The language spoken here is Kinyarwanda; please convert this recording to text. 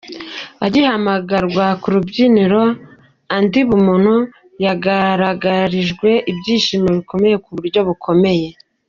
Agihamagarwa ku rubyiniro, Andy Bumuntu yagaragarijwe ibyishimo bikomeye ku buryo bukomeye.